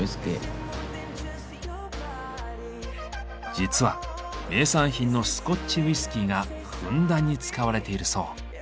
実は名産品のスコッチウイスキーがふんだんに使われているそう。